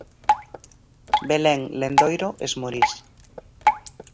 Belén Lendoiro Esmorís.